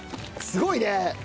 すごいね！